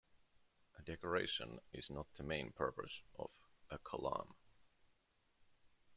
Decoration is not the main purpose of a Kolam.